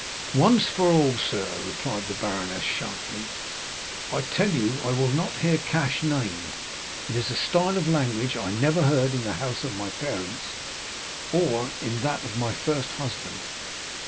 "Once for all, sir," replied the baroness sharply, "I tell you I will not hear cash named; it is a style of language I never heard in the house of my parents or in that of my first husband."